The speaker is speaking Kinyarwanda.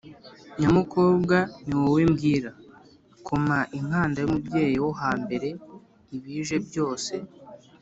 nyamukobwa ni wowe mbwira, koma inkanda y’umubyeyi wo hambere, ibije byose